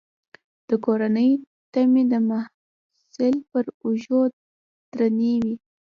د کورنۍ تمې د محصل پر اوږو درنې وي.